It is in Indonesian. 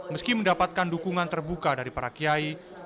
meski mendapatkan dukungan terbuka dari para kiai